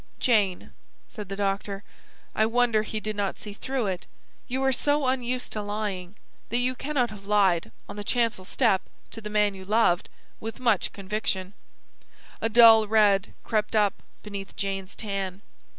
"Jane," said the doctor, "I wonder he did not see through it. You are so unused to lying, that you cannot have lied, on the chancel step, to the man you loved, with much conviction." A dull red crept up beneath Jane's tan.